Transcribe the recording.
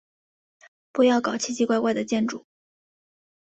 不要搞奇奇怪怪的建筑。